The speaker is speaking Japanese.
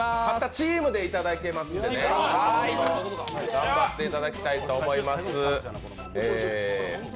チームでいただけますんで頑張っていただきたいと思います。